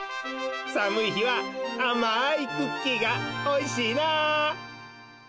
さむい日はあまいクッキーがおいしいなあ！